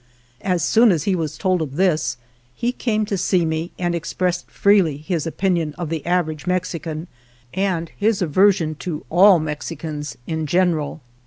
As soon as he was told of this, he came to see me and expressed freely his opinion of the average Mexican, and his aversion to all Mexicans in general.